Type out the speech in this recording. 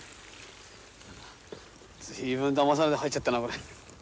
随分だまされて入っちゃったなこれ。